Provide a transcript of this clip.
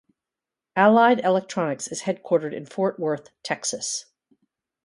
Allied Electronics is headquartered in Fort Worth, Texas.